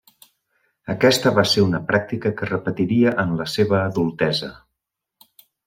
Aquesta va ser una pràctica que repetiria en la seva adultesa.